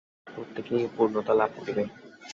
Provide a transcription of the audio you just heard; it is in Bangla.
প্রত্যেকেই এই পূর্ণতা লাভ করিবে।